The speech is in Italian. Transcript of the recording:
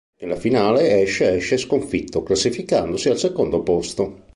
Nella finale, Ash esce sconfitto, classificandosi al secondo posto.